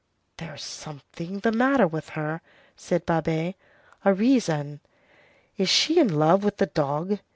"There's something the matter with her," said Babet. "A reason. Is she in love with the dog?